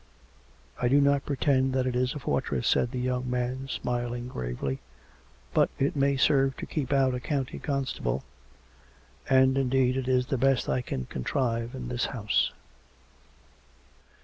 " I do not pretend that it is a fortress," said the young man, smiling gravely. " But it may serve to keep out a country constable. And, indeed, it is the best I can con trive in this house."